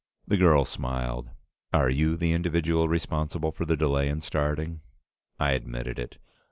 The girl smiled. "Are you the individual responsible for the delay in starting?" I admitted it.